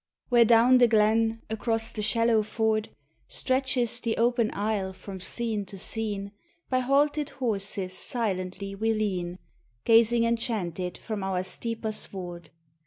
Where down the glen, across the shallow ford, Stretches the open aisle from scene to scene, By halted horses silently we lean, Gazing enchanted from our steeper sward.